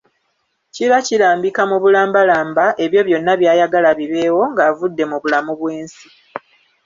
Kiba kirambika mu bulambalamba ebyo byonna by'ayagala bibeewo ng'avudde mu bulamu bw'ensi.